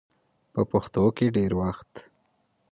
په پښتو کې ډېر وخت